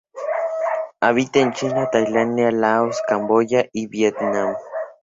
Habita en China, Tailandia, Laos, Camboya y Vietnam.